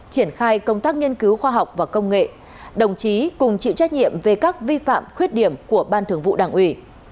triển khai công tác nghiên cứu khoa học và công nghệ đồng chí cùng chịu trách nhiệm về các vi phạm khuyết điểm của ban thường vụ đảng ủy